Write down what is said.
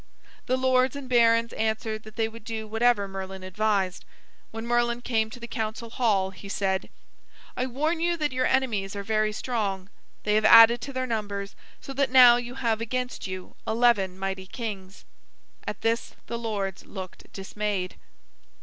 The lords and barons answered that they would do whatever Merlin advised. When Merlin came to the council hall he said: "I warn you that your enemies are very strong. They have added to their numbers so that now you have against you eleven mighty kings." At this the lords looked dismayed.